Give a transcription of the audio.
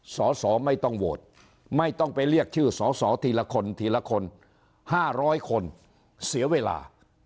สอสอไม่ต้องโหวตไม่ต้องไปเรียกชื่อสอสอทีละคนทีละคน๕๐๐คนเสียเวลา